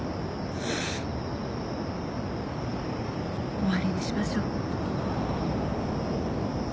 終わりにしましょう。